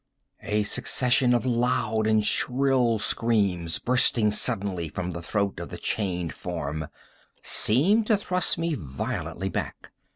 A succession of loud and shrill screams, bursting suddenly from the throat of the chained form, seemed to thrust me violently back.